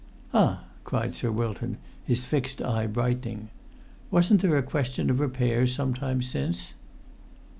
"Ah!" cried Sir Wilton, his fixed eye brightening. "Wasn't there a question of repairs some time since?"